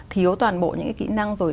thiếu toàn bộ những kỹ năng rồi